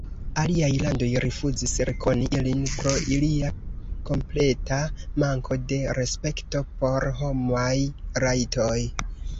Aliaj landoj rifuzis rekoni ilin pro ilia kompleta manko de respekto por homaj rajtoj.